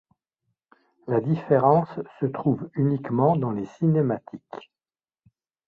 La différence se trouve uniquement dans les cinématiques.